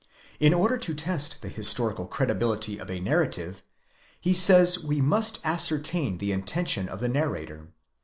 In order to test the historical credibility of a narrative, he says,? we must ascertain the intention of the narrator.